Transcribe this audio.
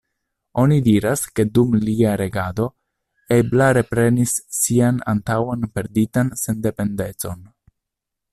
Oni diras ke dum lia regado, Ebla reprenis sian antaŭan perditan sendependecon.